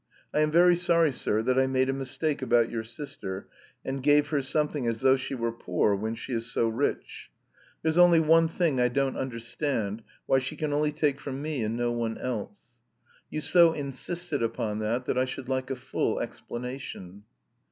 I am very sorry, sir, that I made a mistake about your sister, and gave her something as though she were poor when she is so rich. There's only one thing I don't understand, why she can only take from me, and no one else. You so insisted upon that that I should like a full explanation."